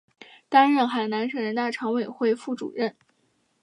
担任海南省人大常委会副主任。